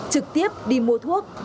trực tiếp đi mua thuốc